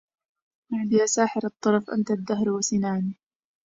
يا ساحر الطرف أنت الدهر وسنان